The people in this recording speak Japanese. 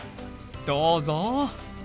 どうぞ。